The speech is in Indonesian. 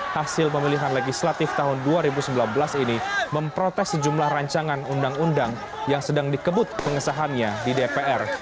hasil pemilihan legislatif tahun dua ribu sembilan belas ini memprotes sejumlah rancangan undang undang yang sedang dikebut pengesahannya di dpr